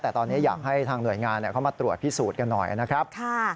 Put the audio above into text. แต่ตอนนี้อยากให้ทางหน่วยงานเข้ามาตรวจพิสูจน์กันหน่อยนะครับ